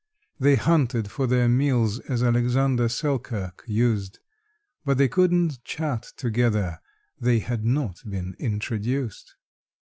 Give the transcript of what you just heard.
They hunted for their meals, as ALEXANDER SELKIRK used, But they couldn't chat together—they had not been introduced.